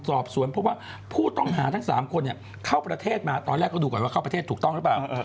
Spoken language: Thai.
สอบสวนเพราะว่าผู้ต้องหาทั้ง๓คนเข้าประเทศมาตอนแรกก็ดูก่อนว่าเข้าประเทศถูกต้องหรือเปล่า